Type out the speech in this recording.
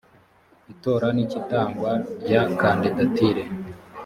itora n icy itangwa rya kandidatire